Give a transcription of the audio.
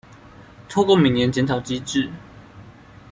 透過每年檢討機制